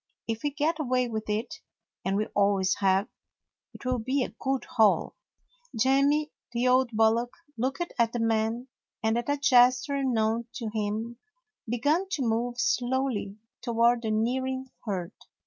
If we get away with it, and we always have, it 'll be a good haul." 100 A NEW ZEALAND DOG Jemmy, the old bullock, looked at the man, and at a gesture known to him began to move slowly toward the nearing herd.